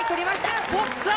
取った！